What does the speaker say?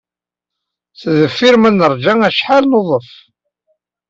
Sdeffir ma neṛja acḥal, nudef.